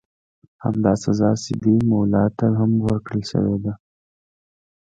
همدا سزا سیدي مولا ته هم ورکړل شوې وه.